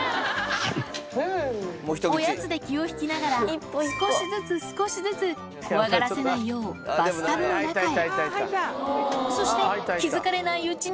おやつで気を引きながら、少しずつ少しずつ怖がらせないようにバスタブの中へ。